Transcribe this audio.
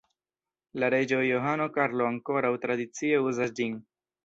La reĝo Johano Karlo ankoraŭ tradicie uzas ĝin.